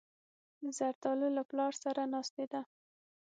زردالو له پلار سره ناستې ده.